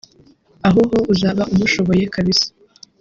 aho ho uzaba umushoboye kabisa